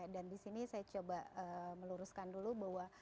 dan di sini saya coba meluruskan dulu bahwa